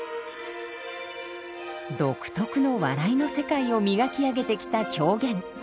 独特の笑いの世界を磨き上げてきた狂言。